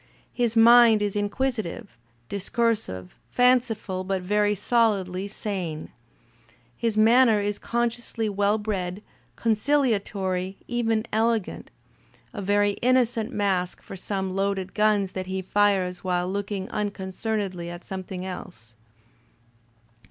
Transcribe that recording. His mind is inquisitive, discursive, fanciful, but very solidly sane. His manner is consciously well bred, conciliatory, even elegant — a very innocent mask for some loaded guns that he fires while looking unconcern edly at something else.